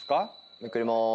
めくりまーす。